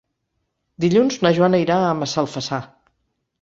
Dilluns na Joana irà a Massalfassar.